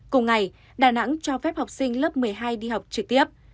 cùng ngày đà nẵng cho phép học sinh lớp một mươi hai đi học trực tiếp